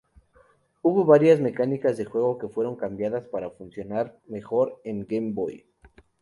Hubo varias mecánicas de juego que fueron cambiadas para funcionar mejor en Game Boy.